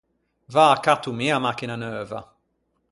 V’â catto mi a machina neuva.